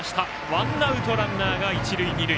ワンアウト、ランナーが一塁二塁。